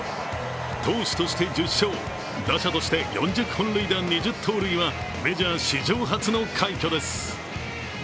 投手として１０勝、打者として４０本塁打、２０盗塁はメジャー史上初の快挙です。